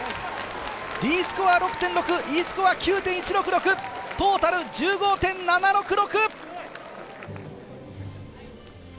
Ｄスコア６．６、Ｅスコア９．１６６。トータル１５．７６６！